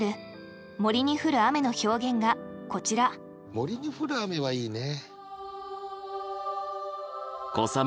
森に降る雨はいいね。